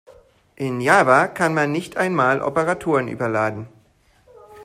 In Java kann man nicht einmal Operatoren überladen.